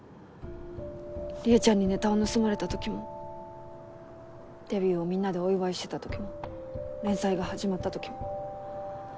りえちゃんにネタを盗まれた時もデビューをみんなでお祝いしてた時も連載が始まった時も。